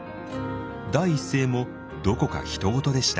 第一声もどこかひと事でした。